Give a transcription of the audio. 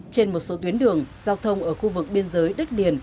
trên một số tuyến đường giao thông ở khu vực biên giới đất liền